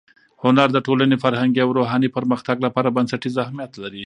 هنر د ټولنې فرهنګي او روحاني پرمختګ لپاره بنسټیز اهمیت لري.